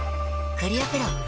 クリアプロだＣ。